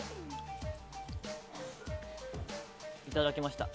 いただきました。